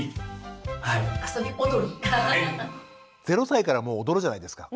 ０歳からもう踊るじゃないですか。